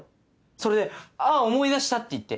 それで「あぁ思い出した」って言って。